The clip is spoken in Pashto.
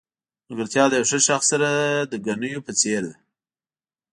ملګرتیا د یو ښه شخص سره د ګنیو په څېر ده.